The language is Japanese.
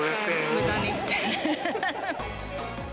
むだにしてる。